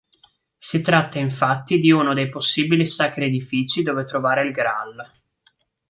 Si tratta infatti di uno dei possibili sacri edifici dove trovare il Graal.